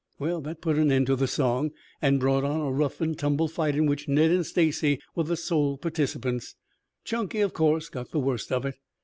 That put an end to the song and brought on a rough and tumble fight in which Ned and Stacy were the sole participants. Chunky, of course, got the worst of it.